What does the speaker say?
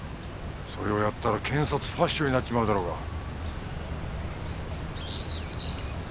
それをやったら検察ファッショになっちまうだろうが。